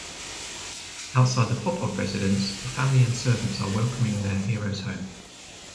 Outside the Popoff residence the family and servants are welcoming their heroes home.